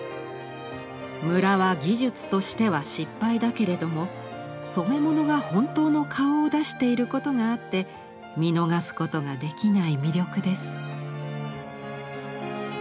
「むらは技術としては失敗だけれども染めものが本当の顔を出していることがあって見逃すことが出来ない魅力です」。